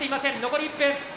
残り１分。